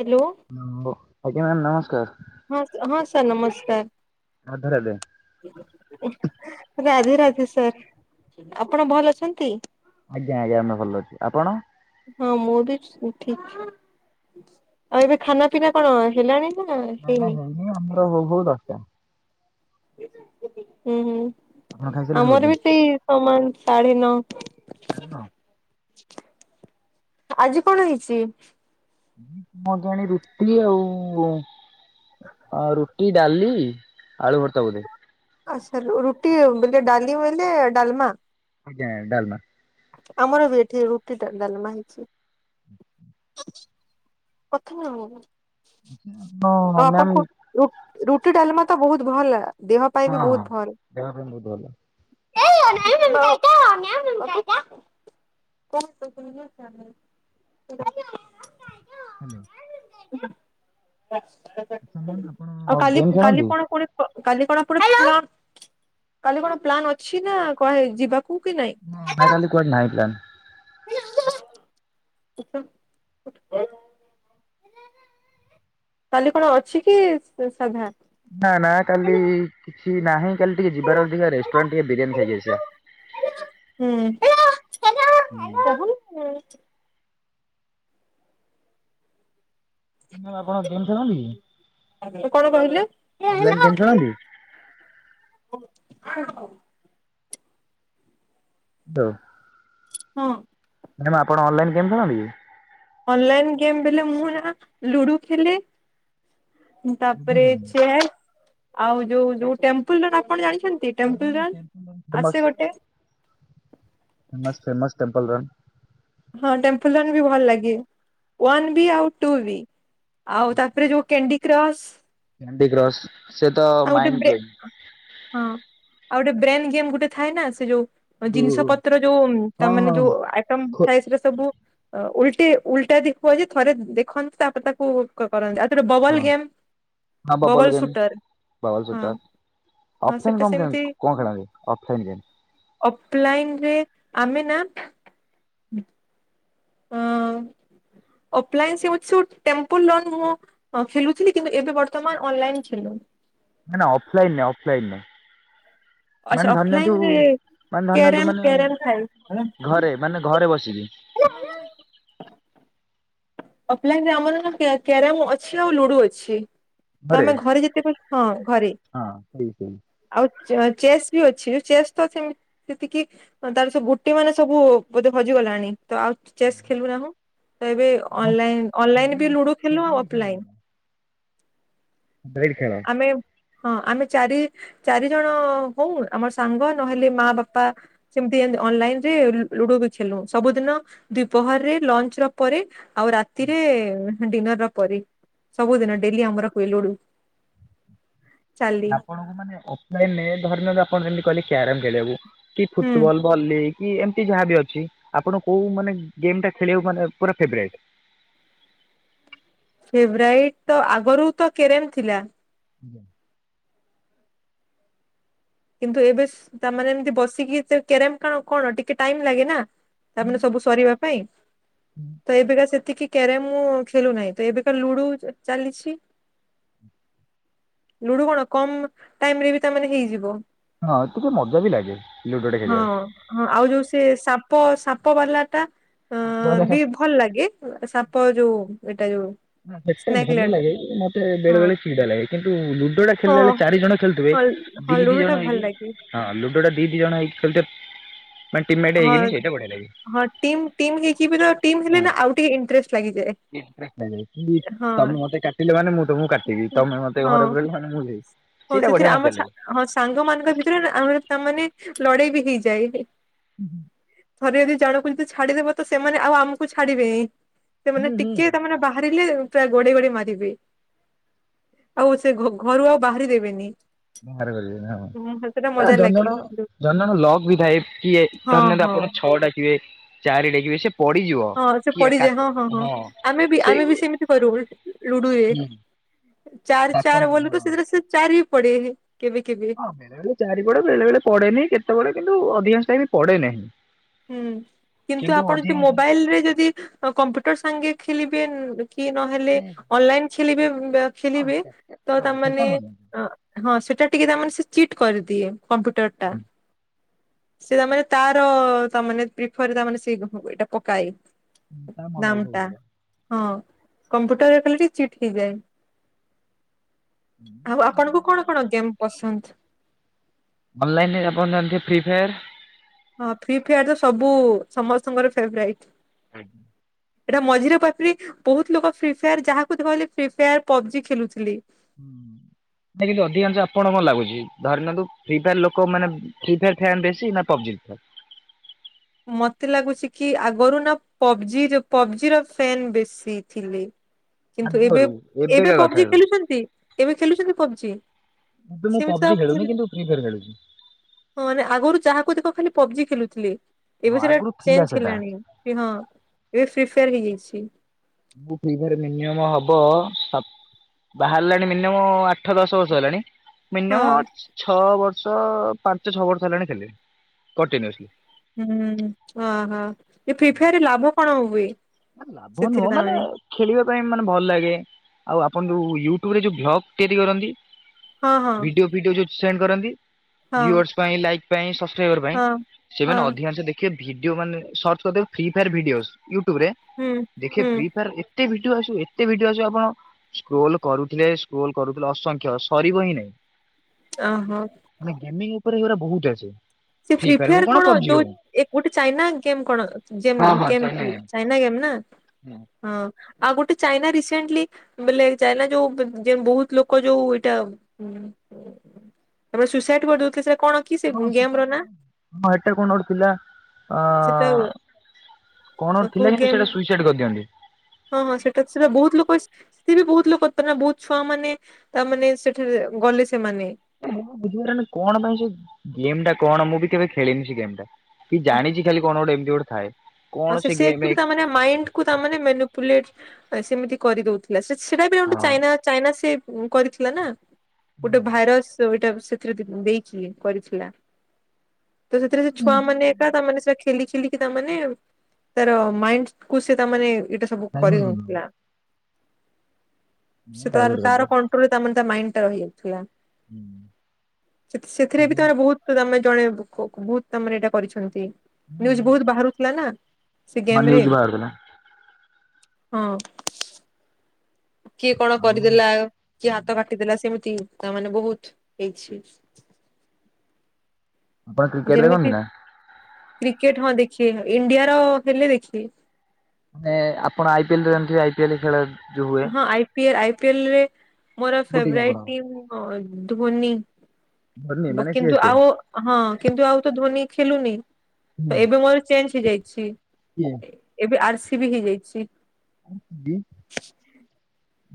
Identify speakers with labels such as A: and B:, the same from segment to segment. A: Hello
B: ଆଜ୍ଞା ma'am ନମସ୍କାର।
A: ହଁ, ହଁ, ସାର୍ ନମସ୍କାର।
B: ରାଧେ ରାଧେ
A: ରାଧେ ରାଧେ ସାର, ଆପଣ ଭଲ ଅଛନ୍ତି?
B: ଆଜ୍ଞା ଆଜ୍ଞା, ଆମେ ଭଲ ଅଛୁ, ଆପଣ?
A: ହଁ ମୁଁ ବି ଠିକ। ଆଉ ଏବେ ଖାନା ପିନା କଣ ହେଲାଣି ନା?
B: ନା ଏଇନା ହେଇନି ଆମର ହୋଉ ହୋଉ ଦଶଟା।
A: ହୁଁ ହୁଁ
B: ଆପଣ ଖାଇସାରିଲେଣି ବୋଧେ?
A: ଆମର ବି ସେଇ ସମାନ ଶାଢେ ନ।
B: ସାଢେ ନ
A: ଆଜି କଣ ହେଇଛି?
B: ମୁଁ ଜାଣି ରୁଟି ଆଉ, ଆ ରୁ ରୁଟି, ଡାଲି, ଆଳୁ ଭର୍ତା ବୋଧେ।
A: ଆଚ୍ଛା ରୁ ରୁଟି ବୋଲେ ଡାଲି ବୋଇଲେ ଡାଲମା।
B: ଆଜ୍ଞା ଡାଲମା।
A: ଆମର ବି ଏଠି ରୁଟି, ଡା ଡାଲମା ହେଇଛି। କଥା କଣ ଆଉ
B: ହଁ
A: ଆପଣ
B: ମ୍ୟାମ୍
A: କୋ
B: ହଁ।
A: ରୁ ରୁଟି ଡାଲମା ତ ବହୁତ ଭଲ ଦେହ ପାଇଁ ବି
B: ହଁ
A: ବହୁତ ଭଲ୍।
B: ଦେହ ପାଇଁ ବହୁତ ଭଲ।
A: [unintelligible] [inaudible]
B: ହ୍ୟାଲୋ। ଆଚ୍ଛା ମ୍ୟାମ୍ ଆପଣ
A: ଆଉ
B: ଆଉ
A: କାଲି
B: ଗେମ୍
A: କାଲି
B: ଖେଳନ୍ତି?
A: ପଣା ପୁଣି କାଲି କଣ ଆପଣ କାଲି କଣ ପ୍ଲାନ୍ ଅଛି ନା କୁଆଡେ ଯିବାକୁ କି ନାଇଁ।
B: ନାଇଁ କାଲି କୁଆଡେ ନାହିଁ ପ୍ଲାନ୍।
A: କାଲି କଣ ଅଛି କି ସା ସାଧା।
B: ନା ନା କାଲି କିଛି ନାହିଁ କାଲି ଟିକେ ଯିବାର ଅଛି ଦେଖିଆ ରେଷ୍ଟୁରାଣ୍ଟ ଟିକେ ବିରିୟାନୀ ଖାଇକିଆସିବା।
A: ହୁଁ
B: ହୁଁ।
A: କହୁନୁ
B: ମ୍ୟାମ ଆପଣ ଗେମ୍ ଖେଳନ୍ତି କି।
A: କଣ କହିଲେ।
B: ଅନଲାଇନ୍ ଗେମ୍ ଖେଳନ୍ତି।
A: [unintelligible]
B: [unintelligible]
A: ହଁ।
B: ମ୍ୟାମ୍ ଆପଣ ଅନଲାଇନ୍ ଗେମ୍ ଖେଳନ୍ତିକି।
A: ଅନଲାଇନ୍ ଗେମ୍ ବେଲେ ମୁଁ ଇନା ଲୁଡୁ ଖେଲେ। ତାପରେ ଚେସ ଆଉ ଯୋଉ ଯୋଉ ଟେମ୍ପୁଲ ରନ ଆପଣ ଜାଣିଛନ୍ତି। ଏ ଟେମ୍ପଲ ରନ୍
B: ଫେମସ୍
A: ଆସେ ଗୋଟେ।
B: Famous famous temple run.
A: ହଁ ଟେମ୍ପଲ ରନ୍ ବି ଭଲ ଲାଗେ ୱାନ୍ ବି ଆଉ ଟୁ ବି। ଆଉ ତାପରେ ଯୋଉ କ୍ୟେଣ୍ଡି କ୍ରସ୍।
B: Candy cross. ସେ ତ
A: ଆଉ ଗୋଟେ
B: ମାଇଣ୍ଡ
A: ବ୍ରେ
B: ପ୍ଲେଇଙ୍ଗ।
A: ହଁ ଆଉ ଗୋଟେ ବ୍ରେନ୍ ଗେମ୍ ଗୋଟେ ଥାଏ ନା ସେ ଯୋଉ ଜିନିଷ ପତ୍ର ଯୋଉ
B: ହଁ
A: ତା ମାନେ
B: ହଁ
A: ଯୋଉ ଆଇଟମ
B: ଖୋ
A: ଥାଏ ସେଇଟା ସବୁ ଉଲଟେ ଉଲଟା ଦେଖିବ ଯେ ଥରେ ଦେଖନ୍ତି ତାପରେ ତାକୁ କ କରନ୍ତି। ଆଉ ତାପରେ
B: ହଁ।
A: Bubble game bubble shooter.
B: Bubble
A: ହଁ
B: ସୁଟର
A: ହଁ
B: ଅଫଲାଇନ୍
A: ସେଟା
B: କମ୍
A: ସେମିତି
B: ଗେମ୍ କଣ ଖେଳନ୍ତି ଅଫଲାଇନ୍ ଗେମ୍।
A: ଅଫଲାଇନ୍ ରେ ଆମେ ନା ହୁଁ ଅପ୍ଲାଇନସ୍ ହେଉଛୁ ଟେମ୍ପୁଲ ରନ୍ ମୁଁ ଖେଲୁଥିଲି କିନ୍ତୁ ଏବେ ବର୍ତ୍ତମାନ ଅନଲାଇନ୍ ଖେଲୁ।
B: ନା ନା ଅଫଲାଇନ୍ ନୁହେଁ ଅଫଲାଇନ୍ ନୁହେଁ
A: ଆଚ୍ଛା
B: ମାନେ ଧରି ନିଅନ୍ତୁ
A: ଅଫଲାଇନରେ
B: ମାନେ ଧରିନିଅନ୍ତୁ
A: କ୍ୟାରମ କ୍ୟାରମ ଥାଏ
B: ମାନେ ଘରେ ମାନେ ଘରେ ବସିକି।
A: [unintelligible] ଅଫଲାଇନ୍ ରେ ଆମର ନା କ୍ୟା କ୍ୟାରମ୍ ଅଛି ଆଉ ଲୁଡୁ ଅଛି। ତମେ ଘରେ ଯେତେବେଲେ ହଁ ଘରେ।
B: ହଁ ସେଇ ସେଇ।
A: ଆଉ ଚ ଚେସ୍ ବି ଅଛି ଚେସ୍ ତ ସେମତି ସେତିକି ତାର ସବୁ ଗୋଟି ମାନେ ସବୁ ବୋଧେ ହଜିଗଲାଣି ତ ଆଉ ଚେସ୍ ଖେଲୁନାହୁଁ। ଅନଲାଇନ୍ ଅନଲାଇନ୍ ବି
B: ଫେବରାଇଟ୍
A: ଲୁଡ଼ୁ ଖେଲୁ ଆଉ
B: ଫେବରାଇଟ୍
A: ଅଫଲାଇନ୍।
B: ବ୍ରେଡ଼ ଖେଳ।
A: ଆମେ ହଁ ଆମେ ଚାରି ଚାରି ଜଣ ହଉ ଆମର ସାଙ୍ଗ ନହେଲେ ମା ବାପା। ସେମିତି ଏମତି ଅନଲାଇନରେ ଲୁଡୁ ବି ଖେଲୁ ସବୁଦିନ। ଦିପହରରେ ଲଞ୍ଚ ର ପରେ ଆଉ ରାତି ତିରେ ଡିନର ର ପରି ସବୁଦିନ ଡେଲି ଆମର ହୁଏ ଲୁଡୁ। ଚାଲି।
B: ଆପଣଙ୍କୁ ମାନେ ଅଫଲାଇନନେ ଧରିନିଅନ୍ତୁ ଆପଣ ଯେମିତି କହିଲେ କ୍ୟାରମ ଖେଳିବାକୁ କି
A: ହୁଁ
B: ଫୁଟବଲ। ଭଲି କି ଏମତି ଯାହାବ ଅଛି ଆପଣଙ୍କୁ କୋଉ ମାନେ ଗେମ୍ ଟା ଖେଲିବାକୁ ମାନେ ପୁରା ଫେବରାଇଟ?
A: ଫେଭରାଇଟ ତ ଆଗରୁ ତ କେରେମ୍ ଥିଲା।
B: ଆଜ୍ଞା।
A: କିନ୍ତୁ ଏବେ ସେ ତାମାନେ ଏମିତି ବସିକି କେରମ କଣ କଣ ଟିକେ ଟାଇମ ଲାଗେ ନା? ତାମାନେ ସବୁ ସରିବା ପାଇଁ, ତ ଏବେକା ସେତିକି କ୍ୟାରମ୍ ମୁଁ ଖେଳୁ ନାହିଁ ତ ଏବେକା ଲୁଡୁ ଚାଲିଛି। ଲୁଡୁ କଣ କମ ଟାଇମ ରେ ବି ତାମାନେ ହେଇଯିବ।
B: ହଁ ଟିକେ ମଜା ବି ଲାଗେ। ଟା
A: ହଁ ହଁ ଆଉ ଯୋଉ ସେ ସାପ ସାପ ବାଲା ଟା ଅ
B: ଖେଳିବାକୁ।
A: ବି ଭଲ ଲାଗେ ସାପ ଯୋଉ ଏଇଟା ଯୋଉ
B: ସେଟା
A: ସ୍ନେକ୍
B: ଭଲ
A: ଲେଡ
B: ଲାଗେ ମତେ
A: ହଁ
B: ବେଳେ ବେଳେ ଚିଡା ଲାଗେ କିନ୍ତୁ ଲୁଡୋ ଟା
A: ହଁ
B: ଖେଳିଲ ବେଳେ ଚାରି ଜଣ ଖେଳୁଥିବେ।
A: ହଁ
B: ଦି
A: ହଁ
B: ଦିଇ
A: ଲୁଡୁ ଟା
B: ଜଣ
A: ଭଲ
B: ହେଇକି
A: ଲାଗେ
B: ହଁ ଲୁଡୋ ଟା ଦି ଦି ଜଣ ହେଇକି ଖେଳୁଥିବେ। ମାନେ
A: ହଁ
B: ହେଇକିନି ସେଇଟା ବଢିଆ ଲାଗେ।
A: ହଁ ଟିମ ଟିମ ହେଇକି ବି ତ ଟିମ୍ ହେଲେ ନା ଆଉ ଟିକେ ଇଣ୍ଟରେଷ୍ଟ ଲାଗିଯାଏ। ହଁ
B: ତମେ ମତେ କାଟିଲ ମାନେ ମୁଁ ତ ମୁଁ କାଟିବି ତମେ ମତେ
A: ହଁ
B: ଘରେ ପୁରିଲ ମାନେ ମୁଁ ବି।
A: ହଁ ସେଥିରେ ଆମ ସା ହଁ ସାଙ୍ଗ ମାନଙ୍କ ଭିତରେ ଆମର ତାମାନେ ଲଢେଇ ବି ହେଇଯାଏ।
B: ହୁଁ ହୁଁ।
A: ଥରେ ଯଦି ଜଣକୁ ଯଦି ଛାଡିଦେବ ତ ସେମାନେ ଆଉ ଆମକୁ ଛାଡିବେ ସେମାନେ
B: ହୁଁ ହୁଁ।
A: ଟିକେ ତାମାନେ ବାହାରିଲେ ପୁରା ଗୋଡେଇ ଗୋଡେଇ ମାରିବେ ଆଉ ସେ ଘ୍ ଘରୁ ଆଉ ବାହାରି ଦେବେନି।
B: ବାହାରି ପାରିବନେ ହ।
A: ହୁଁ ସେଟା
B: ନା
A: ମଜା
B: ଜଣ
A: ଲାଗେ
B: ଜଣ ଜନଣ ଲଗ ବି ଥାଏ କିଏ
A: ହଁ
B: ଧରି ନେଲ
A: ହଁ
B: ଆପଣ ଛଅ ଡାକିିବେ ଚାରି ଡାକିବେ ବି ସେ ପଡିଯିବ
A: ହଁ ସେ
B: କିଏ କା
A: ପଡିଯାଏ ହଁ ହଁ ହଁ ଆମେ ବି
B: ସେଇ
A: ଆମେ ବି ସେମିତି କରୁ ଲୁ - ଲୁଡୁରେ।
B: ହୁଁ।
A: ଚାରି ଚାର
B: ଡାକନ୍ତି ହଁ।
A: ବଲକୁ ସେଥିରେ ସେ ଚାରି ବି ପଡେ କେବେ କେବେ।
B: ହଁ ବେଳେ ବଳେ ଚାରି ବଡ ବେଳେ ବଳେ ପଢେନିଁ କେତେବେଳେ କିନ୍ତୁ ଅଧିକଂଶ ଟାଇମ ପଡେ ନାହିଁ।
A: ହୁଁ କିନ୍ତୁ ଆପଣ ଯଦି ମୋବାଇଲ ରେ ଯଦି କମ୍ପ୍ୟୁଟର ସାଙ୍ଗେ ଖେଳିବେ କି ନହେଲେ ଅନଲାଇନ ଖେିଲିବେ
B: ହଁ
A: ଖେଲିବେ ତ
B: ସେଟା
A: ତାମାନେ
B: ଭଲ।
A: ହଁ ସେଟା ଟିକେ ତାମାନେ ସେ ଚିଟ୍ କରିଦିଏ କମ୍ପ୍ୟୁଟର ଟା। ସେ ତାମାନେ ତାର ତା ମାନେ ପ୍ରିଫର ତା ମାନେ ସେ ହ ଏଇଟା ପକାଏ।
B: ତା ମନ
A: ଦାମ ଟା ହଁ କମ୍ପ୍ୟୁଟରରେ କଲେ ଟିକେ ଚିଟ୍ ହେଇଯାଏ। ଆଉ ଆପଣଙ୍କୁ
B: ଇଚ୍ଛା
A: କଣ କଣ ଗେମ୍ ପସନ୍ଦ?
B: ଅନଲାଇନରେ ଆପଣ ଜାଣିଥେ ଫ୍ରି ଫାୟାର୍?
A: ହଁ ଫ୍ରି ଫାୟାର ତ ସବୁ ସମସ୍ତଙ୍କର ଫେବରାଇଟ।
B: [unintelligible]
A: ଏଟା ମଝିରେ ପାଖରି ବହୁତ ଲୋକ ଫ୍ରି ଫାୟାର ଯାହାକୁହିଲେ ଫି ଫାୟାର ପବଜି ଖେଳୁଥିଲେ।
B: ହୁଁ କିନ୍ତୁ ଅଧିକାଂଶ ଆପଣ କଣ ଲାଗୁଛି ଧରିନିଅନ୍ତୁ ଫି ଫାୟାର ଲୋକ ମାନେ। ଫ୍ରି ଫାୟାର୍ ଫ୍ୟାନ୍ ବେଶୀ ନା ପବ୍ଜିି ଫ୍ୟା
A: ମତେ ଲାଗୁଛି କି ଆଗରୁ ନା ପବଜି ର ପବଜି ର ଫ୍ୟନ୍ ବେଶୀ ଥିଲେ।
B: [inaudible]
A: କିନ୍ତୁ ଏବେ ଏବେ
B: ଏବେକା କଥା
A: ପବଜି ଖେଲୁଛନ୍ତି ଏବେ ଖେଲୁଛନ୍ତି ପବଜି?
B: କିନ୍ତ ମୁଁ
A: ସେମିତି ତ ଆଉ
B: ପବଜି ଖେଳୁନି
A: ଖେଳୁ-
B: କିନ୍ତୁ ଫି ଫାୟାର ଖେୁଲୁଛି
A: ହଁ ଆଗରୁ ଯାହାକୁ ଦେଖ ଖାଲି ପବଜି ଖେଳୁଥିଲି
B: ହଁ
A: ଏବେ ସେଟା
B: ଆଗରୁ ଥିଲା
A: ଚେଞ୍ଜ
B: ସେଟା
A: ହେଲାଣି ସେ ହଁ ଏବେ ଫ୍ରି ଫାୟାର ହେଇଯାଇଛି
B: ମୁଁ ଫ୍ରିଫାୟାର ମିନିମ ହବ ତ୍ ବାହାରିଲାଣି ମିନିମମ୍ ଆଠ ଦଶ ବର୍ଷ ହେଲାଣି
A: ହଁ
B: ମିନିମମ୍ ଛଅ ବର୍ଷ ପାଞ୍ଚ ଛଅ ବର୍ଷ ହେଲାଣି ଖେଲିଣୀ କଣ୍ଟିନ୍ୟୁସଲି
A: ହୁଁ ଅ ହ ଏ ଫିଫାଆର ରେ ଲାଭ କଣ ହୁଏ?
B: ଲାଭ
A: ସେଥିରେ
B: ନୁହଁ ମାନେ
A: ତାମାନେ
B: ଖେଳିବା ପାଇଁ ମାନେ ଭଲ ଲାଗେ, ଆଉ ଆପଣ ଯୋଉ ୟୁଟୁବ ରେ ଯୋଉ ଭ୍ଲଗ ତିଆରି କରନ୍ତି।
A: ହଁ ହଁ
B: ଭିଡିଓ ଫିଡିଓ ଯୋଉ ସେଣ୍ଡ କରନ୍ତି
A: ହଁ
B: ଭିଓର୍ସ ପାଇଁ ଲାଇକ୍ ପାଇଁ ସବସ୍କାଇବର୍ ପାଇଁ
A: ହଁ। ହଁ
B: ସେମାନେ ଅଧିକାଂଶ ଦେଖିବେ ଭିଡିଓ ମାନେ ସର୍ଚ କରିଦେବେ ଫି ଫାୟର ଭିଡିଓ ୟୁଟୁବ ରେ।
A: ହୁଁ
B: ଦେଖିବେ
A: ହୁଁ
B: ଫ୍ରି ଫାୟାର ଏତେ ଭିଡିଓ ଆସିବ ଏତେ ଭିଡିଓ ଆସିବ ଆପଣ ସ୍କ୍ରୋଲ କରୁଥିଲେ ସ୍କ୍ରୋଲ କରୁଥିଲେ ଅସଂଖ୍ୟ ସରିବ ହିଁ ନାଇଁ।
A: ଅ ହଁ
B: ମାନେ ଗେମିଙ୍ଗ ଉପରେ ଏଗୁରା ବହୁତ ଆସେ।
A: ସେ ଫ୍ରି ଫାୟାର କଣ ଯୋଉ ଗୋଟେ ଚାଇନା ଗେମ୍ କଣ
B: ହଁ
A: ଯେମ
B: ହଁ ଚାଇନା
A: କେମତି?
B: ଗେମ୍
A: ନାଇ ଗେମ୍ ନା।
B: ହୁଁ
A: ହଁ ଆଉ ଗୋଟେ ଚାଇନା ରିସେଣ୍ଟଲି ବେଲେ ଚାଇନା ଯୋଉ ଯେ ବହୁତ ଲୋକ ଯୋଉ ଏଇଟା ମ ସୁସାଇଡ କରିଦଉଥିଲେ ସେଟା କଣ କି ସେ
B: ହଁ ସେଟା
A: ଗେମ ର ନା
B: ହଁ ଏଟା କଣ ଗୋଟେ ଥିଲା ଅ
A: ସେଟା
B: କଣ ଗୋଟେ
A: କୋଉ
B: ଥିଲା କିନ୍ତୁ
A: ଗେମ୍
B: ସେଟା ସୁଇସାଇଡ୍ କରିଦିଅନ୍ତି।
A: ହଁ ହଁ ସେଟା ସେଟା ବହୁତ ଲୋକ ସେ ବି ବହୁତ ଲୋକ ନା ବହୁତ ଛୁଆ ମାନେ ତାମାନେ ସେଠାରେ ଗଲେ ସେମାନେ।
B: ମୁଁ ବୁଝିପାରେନି କଣ ପାଇଁ ସେ ଗେମ୍ ଟା କଣ ମୁଁ ବି କେବେ ଖେଳନି ସେ ଗେମ ଟା। କି ଜାଣିଚି ଖାଲି କଣ ଗୋଟେ ଏମିତି ଗୋଟେ ଥାଏ। କଣ ସେ
A: ସିଏ
B: ଗେମ୍
A: ଅକ୍ଚୁଆଲି ତାମାନେ ମାଇଣ୍ଡକୁ ତା ମାନେ ମେନୁପୁଲେଟ ସେମିତି କରିଦଉ ଥିଲା ସେଟା ଗୋଟେ
B: ହଁ
A: ଚାଇନା ଚାଇନା ସେ କରିଥିଲା ନା ଗୋଟେ ଭାଇରସ। ଏଇଟା ସେଥିରେ ଦେଇଚି କରିଥିଲା। ତ ସେଥିରେ ସେ ଛୁଆ ମାନେ ଏକା ତାମାନେ ସେଟା ଖେଲି ଖେଲିକି ତାମାନେ ତାର ମାଇଣ୍ଡ କୁ ସେ ତାମାନେ ଏଇଟା ସବୁ
B: ଡାଇଭର୍ଟ କରିଦବ।
A: କରିହଉଥିଲା। ସେ ତାର
B: ଡାଇଭର୍ଟ
A: ତାର
B: କରିଦବ।
A: କଣ୍ଟ୍ରୋଲ ରେ ତା ତା ମାଇଣ୍ଡ ଟା ରହି ଯାଉଥିଲା।
B: ହଁ
A: ସେଥିରେ ବି ତାର ବହୁତ ତ ତମେ ଜଣେ ବହୁତ ତାମାନେ ଏଇଟା କରିଛନ୍ତି ନିୟୁଜ ବହୁତ ବାହାରୁଥିଲା ନା। ସେ ଗେମ୍ ରେ
B: ନ୍ୟୁଜ୍ ବାହାରୁଥିଲା।
A: ହଁ। କିଏ କଣ
B: ଆଉ
A: କରିଦେଲା କିଏ ହାତ କାଟିଦେଲା ସେମିତି ତା ମାନେ ବହୁତ ହେଇଛି।
B: ଆପଣ କ୍ରିକେଟ ଦେଖନ୍ତି
A: ଯେମିତି
B: ନା?
A: କ୍ରିକେଟ ହଁ ଦେଖିବେ ଇଣ୍ଡିଆର ହେଲେ ଦେଖିବେ।
B: ମାନେ ଆପଣ ଆଇ ପିଏଲ ତ ଜାଣିଥିବେ ଆଇ ପିଏଲ ଖେଳ। ଯୋଉ ହୁଏ।
A: ହଁ ଆଇ ପି ଏଲ ଆଇ ପିଏଲରେ ମୋର
B: କୋଉ
A: ଫେବରଟ
B: ଆପଣଙ୍କର?
A: ଟିମ୍ ଧୋନି।
B: ଧୋନି
A: ବ
B: ମାନେ ସି ଏସ୍
A: କିନ୍ତୁ
B: କେ।
A: ଆଉ ହଁ କିନ୍ତୁ ଆଉ ତ ଧୋନୀ ଖେଲୁନି ତ ଏବେ ମୋର ଚେଞ୍ଜ ହେଇଯାଇଛି।
B: ହୁଁ
A: ଏବେ ଆର୍ ସି ବି ହେଇଯାଇଛି।
B: ଉଁ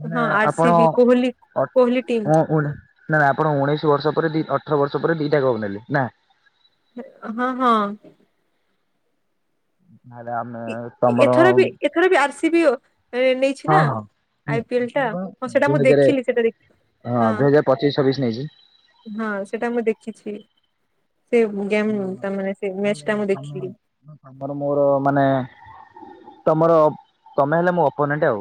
B: ମାନେ
A: ହଁ ଆର ସି
B: ଆପଣ
A: ବି କୋହଲି
B: ଅ [unintelligible]
A: କୋହଲି ଟିମ୍
B: ନା ନା ଆପଣ ଉଣେଇଶି ବର୍ଷ ପରେ ଦି ଅଠର ବର୍ଷ ପରେ ଦିଟା କ ନେଲି ନା।
A: ହଁ ହଁ
B: ଆରେ ଆମେ
A: ଏ ଏଥର
B: ତମର
A: ବି, ଏଥର ବି ଆର୍ସିବି ଓ ନେଇଛି
B: ହଁ
A: ନା,
B: ହଁ ହୁଁ
A: ଆଇ ପିଏଲ ଟା, ହଁ ସେଟା
B: ଦୁଇ
A: ମୁଁ
B: ହଜାରେ
A: ଦେଖିଲି ସେଟା ଦେ
B: ହଁ, ଦୁଇ ହଜାର ପଚିଶ ଛବିଶ ନେଇଛି।
A: ହଁ ସେଟା ମୁଁ ଦେଖିଛି, ସେ ଗେମ୍
B: ହଁ,
A: ତା ମାନେ ସେ ମ୍ୟାଚ
B: ତାହେଲେ
A: ଟା ମୁଁ
B: ତମେ
A: ଦେଖିଲି।
B: ତମର ମୋର ମାନେ, ତମର ତମେ ହେଲେ ମୋର ଅପନେଣ୍ଟ ଆଉ।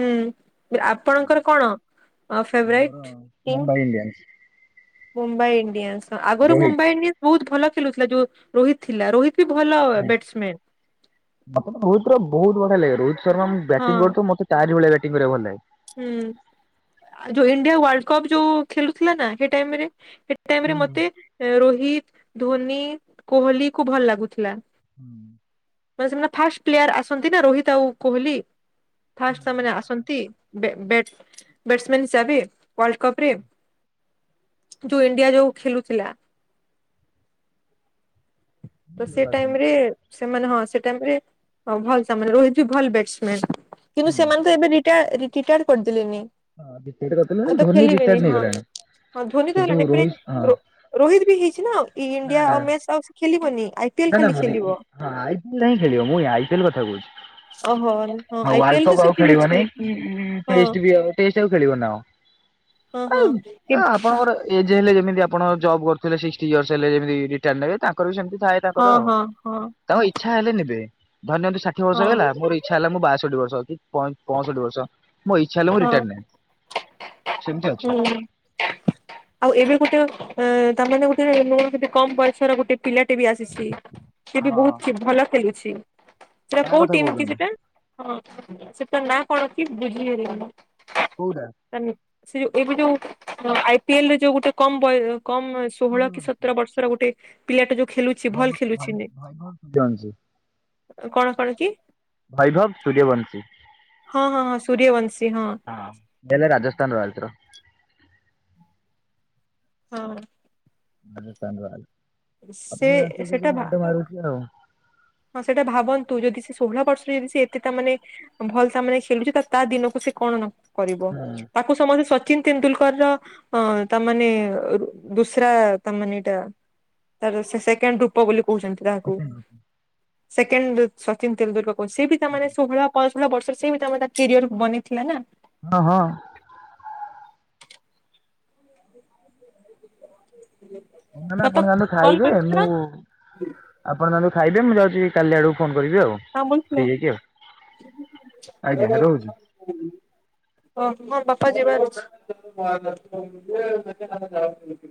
A: ହୁଁ ଆପଣଙ୍କର କଣ ଫେଵ୍
B: ମୋର
A: ରାଇଟ୍ କିଙ୍ଗ।
B: ମୁମ୍ବାଇ ଇଣ୍ଡିଆନ୍ସ
A: ମୁମ୍ବାଇ ଇଣ୍ଡିଆନ୍ସ ଆଗରୁ
B: ରୋହିତ
A: ମୁମ୍ବାଇ ଇଣ୍ଡିଆନ୍ସ ବହୁତ ଭଲ ଖେଳୁଥିଲା ଯୋଉ ରୋହିତ୍ ଥିଲା ରୋହିତ। ବି ଭଲ
B: [unintelligible]
A: batsman
B: player Rohit Sharma batting କରୁଥୁବ ତାରି ଭଳିଆ
A: ହଁ
B: ଵ୍ୟାଟିଙ୍ଗ କରିବାକୁ ଭଲ ଲାଗେ।
A: ହୁଁ ଯୋଉ ଇଣ୍ଡିଆ ୱାର୍ଲଡ କପ୍ ଯୋଉ ଖେଲୁଥିଲା ନା ସେ ଟାଇମ ରେ ସେ ଟାଇମ
B: ହୁଁ
A: ରେ ମତେ ରୋହିତ ଧୋନି କୋହଲିକି ଭଲ ଲାଗୁଥିଲା।
B: [inaudible]
A: ବାସ୍ ମୋ ଫାଷ୍ଟ ପ୍ଲେୟାର ଆସନ୍ତି ନା ରୋହିତ ଆଉ କୋହଲି ଫାଷ୍ଟ ସେମାନେ ଆସନ୍ତି। ନ୍ତି ବ୍ୟାଟ ବ୍ୟାଟ୍ସମ୍ୟାନ ହିସାବରେ ୱାଲ୍ କପରେ। ଯୋଉ ଇଣ୍ଡିଆ ଯୋଉ ଖେଳୁଥିଲା। ତୋ ସେ ଟାଇମ୍ ରେ ସେମାନେ ହଁ ସେ ଟାଇମ୍ ରେ ଭଲ ରୋହିତ ବି ଭଲ ବିୟାଟସ୍ମ ମିୟାନ କିନ୍ତୁ
B: ହୁଁ
A: ସେମାନେତ ଏବେ ରି ଟା [unintelligible]
B: ‌ରିଟାଟ୍ କରିଦେଲେଣି ଧୋନି ରିଟାର୍ଡ ନେଇଗଲାଣି।
A: ହଁ ଧୋନି ତ
B: କିନ୍ତୁ
A: ହେଲାଣି
B: ରୋହିତ ହଁ
A: ତପରେ ରୋହିତ ବିହେଇଚିନା
B: ନା
A: ଇଣ୍ଡିଆ
B: ନା
A: ଆଉ ମିୟାଚ। [unintelligible]
B: [unintelligible] ମୁଁ ଆଇିଏଲ କଥା କହୁଚି।
A: ଓହୋ ହଁ
B: ଆଉ
A: ଆଇ
B: ୱାଲ
A: ପିଏଲ ତ ସେ
B: କପ୍ ଖେଳିବନି
A: ଖେଲୁଛି
B: କି
A: ହଁ
B: ଟେଷ୍ଟ ବି ଆଉ ଟେଷ୍ଟ ଆଉ ଖେଳିବନି ନା କଣ।
A: ହଁ ହଁ ଏ
B: [unintelligible] ଏଜ୍ ହେଲେ ଯେମିତି ଆପଣ ଜବ୍ କରିଥିଲେ ସିକ୍ଟି ୟସ ହେଲେ ଯେମିତି ରିଟାର୍ ନେବେ ତାଙ୍କର ବି ସେମତି ଥାଏ।
A: ହଁ ହଁ ହଁ
B: ଇଛା ହେଲେ ନେବେ ଧରିନିଅନ୍ତୁ ଷାଠିଏ ବର୍ଷ
A: ହଁ
B: ହେଇଗଲା ମୋର ଇଛା ହେଲା ମୁ ବାଷଠି ବର୍ଷ କି ପଞ୍ଚଷଠିବର୍ଷ
A: ହଁ
B: ନେବି।
A: ହୁଁ। ଆଉ ଏବେ ଗୋଟେ [unintelligible] କମ୍ ବୟସରେ ଗୋଟେ। ପିଲାଟେ ବି ଆସିଛି ସେ ବି
B: ହଁ
A: ବହୁତ ଭଲ ଖେଲୁଚି। ସେଟା
B: କାହା
A: କୋଉ
B: କଥା
A: ଟିମ କି
B: କହୁଛନ୍ତି
A: ସେଟା ହଁ ସେଟା ନା କଣ କି ବୁଝି ହେଲାନି।
B: କୋଉଟା।
A: ସେ ଯୋଉ ଏବେ ଯୋଉ ଆଇ ପିଏଲରେ ଯୋଉ ଗୋଟେ କମ୍ ବୟ କମ ଷୋହଳ କି ସତର ବର୍ଷର ଗୋଟେ ପିଲା ଟେ ଯୋଉ ଖେଳୁଛି ଭଲ ଖେଳୁଛି ନେ କଣ କଣ କି।
B: ଵୈଭବ ସୂର୍ଯ୍ୟବଂଶୀ।
A: ହଁ ହଁ ହଁ ସୂର୍ଯ୍ୟବଂଶୀ ହଁ।
B: ହଁ ବଲେ ରାଜସ୍ଥାନ ରୟାଲ ସ ର।
A: ହଁ।
B: [unintelligible] ଆପଣ
A: ସେ
B: ତ ଯାଣିଥିବେ ସେ
A: ସେଟା
B: ଯୋଉ ମାଡ ମାରୁଛି ଆଉ।
A: ହଁ ସେଇଟା ଭାବନ୍ତୁ ଯଦି [unintelligible] ଭଲ ତା ମାନେ ଖେଳୁଛି ତା ଦିନକୁ ସେ କନ ନକରିବ।
B: ହଁ
A: ସମସ୍ତେ ସଚିିନ ତେନ୍ଦୁଲକର ର ହଁ ତାମାନେେ ଦୁସୁରା ତା ମାନେ ଏଇଟା ତାର ସେ ସେକେଣ୍ଡ ଢୁପ ବୋଲି କହୁଚନ୍ତି।
B: [unintelligible]
A: ସେକେଣ୍ଡ ସଚିନ୍ ତେନ୍ଦୁଲକର ସିଏବି ତାହେଲେ ଷୋହଳ [unintelligible] ପିରିୟଡ ବନେଇ ଥିଲାନା।
B: ହଁ ହଁ।
A: ହୁଁ।
B: ହ ମ ନା ଆପଣ ଜାଣନ୍ତୁ ଖାଇବେ ମୁଁ ଆପଣ ଯାଆନ୍ତୁ ଖାଇବେ ମୁଁ ଯାଉଛି କାଲି ଆଡକୁ ଫୋନ କରିବି ଆଉ। ଫ୍ରି ହେଇକି ଆଉ ଆଜ୍ଞା ରହୁଛି।
A: [unintelligible] ଓ ହଁ ବାପା ଯିବାର ଅଛି।